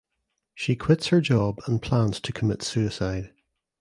She quits her job and plans to commit suicide.